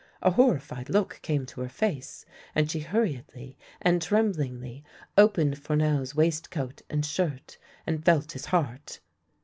A horrified look came to her face and she hurriedly and tremblingly opened Fournel's waistcoat and shirt, and felt his heart.